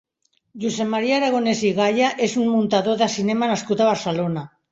Josep Maria Aragonès i Gaya és un muntador de cinema nascut a Barcelona.